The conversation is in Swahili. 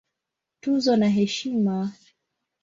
Tuzo na Heshima